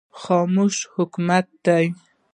خاموشي حکمت دی